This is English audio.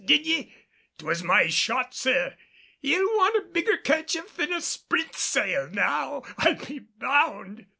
Did ye? 'Twas my shot, sir. He'll want a bigger 'kerchief than a spritsail now, I'll be bound."